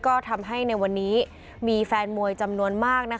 ก็ทำให้ในวันนี้มีแฟนมวยจำนวนมาก